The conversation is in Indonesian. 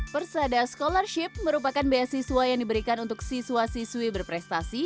persada scholarship merupakan beasiswa yang diberikan untuk siswa siswi berprestasi